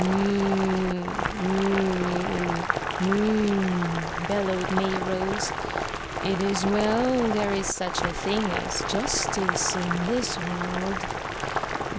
"Moo, moo, moo," bellowed Mayrose. "It is well there is such a thing as justice in this world."